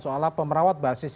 soal pemerawat basis